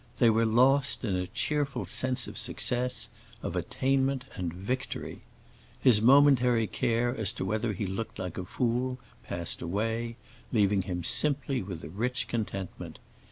They were lost in a cheerful sense of success, of attainment and victory. His momentary care as to whether he looked like a fool passed away, leaving him simply with a rich contentment.